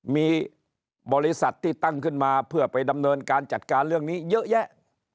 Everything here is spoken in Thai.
มีบริษัทที่ตั้งขึ้นมาเพื่อไปดำเนินการจัดการเรื่องนี้เยอะแยะ